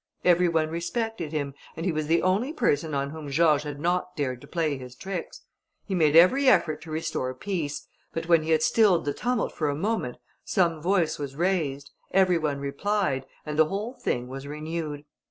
Every one respected him, and he was the only person on whom George had not dared to play his tricks. He made every effort to restore peace, but when he had stilled the tumult for a moment, some voice was raised, every one replied, and the whole thing was renewed.